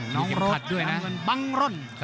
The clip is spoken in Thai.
น้องโรดบ้านเจริญสุข